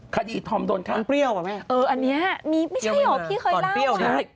คดีธรรมโดนฆ่าเอออันเนี่ยไม่ใช่เหรอพี่เคยเล่าใช่